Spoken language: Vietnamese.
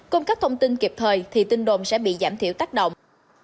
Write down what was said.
cung cấp thông tin kịp thời thì tin đồn sẽ bị giảm thiểu tác động